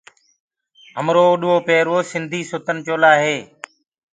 هميرو اوڏڻ پيرڻ سنڌي سلوآر ڪمج هي۔